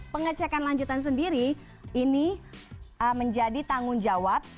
pengecekan lanjutan sendiri ini menjadi tanggung jawab